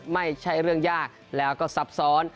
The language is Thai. ไม่ใช่เรื่องยากแล้วก็ซับซ้อน